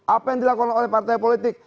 apa yang dilakukan oleh partai politik